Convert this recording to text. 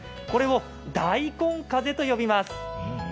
これを大根風と呼びます。